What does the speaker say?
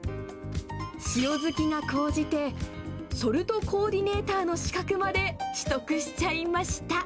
塩好きが高じて、ソルトコーディネーターの資格まで取得しちゃいました。